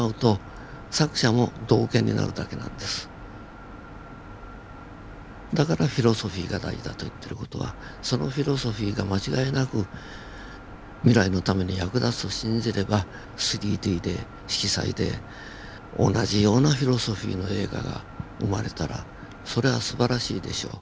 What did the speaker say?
ただだからフィロソフィーが大事だと言ってる事はそのフィロソフィーが間違いなく未来のために役立つと信じれば３Ｄで色彩で同じようなフィロソフィーの映画が生まれたらそれはすばらしいでしょう。